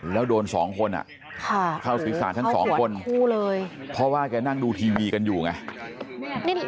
แล้วโดน๒คนอ่ะเข้าศรีษะทั้ง๒คนเพราะว่าแกนั่งดูทีวีกันอยู่ไง